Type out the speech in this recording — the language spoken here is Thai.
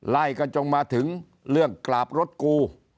ไล่กันจงมาถึงเรื่องกราบรถกู